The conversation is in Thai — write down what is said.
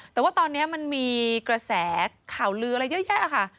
แต่ว่าตอนนี้มันมีกระแสข่าวลืออะไรเยอะแยะค่ะ